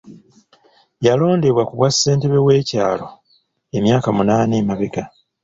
Yalondebwa ku bwa ssentebe w'ekyalo emyaka munaana emabega.